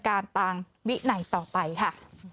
การต่างวิไหนต่อไปค่ะ